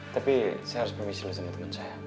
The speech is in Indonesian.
tapi saya harus permisi lu sama temen saya